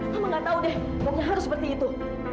kamu gak tahu deh pokoknya harus seperti itu